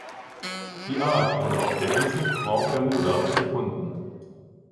Die Art wurde auf der Insel Grand Bermuda gefunden.